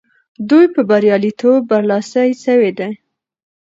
دوی په بریالیتوب برلاسي سوي دي.